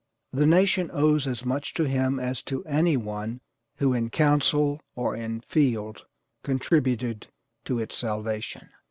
The nation owes as much to him as to any one who in council or in field contributed to its salvation.